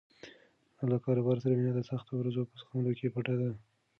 له کاروبار سره مینه د سختو ورځو په زغملو کې پټه ده.